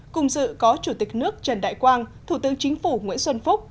cùng dự có chủ tịch nước trần đại quang thủ tướng chính phủ nguyễn xuân phúc